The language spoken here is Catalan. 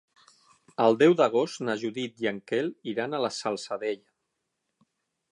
El deu d'agost na Judit i en Quel iran a la Salzadella.